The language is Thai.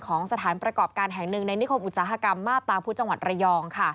ของสถานประกอบการแห่งหนึ่งในนิคมอุตสาหกรรมมาบตาพุธจังหวัดระยองค่ะ